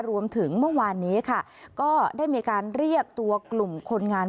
รวมถึงเมื่อวานนี้ค่ะก็ได้มีการเรียกตัวกลุ่มคนงาน